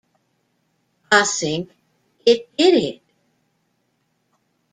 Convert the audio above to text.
I think it did it.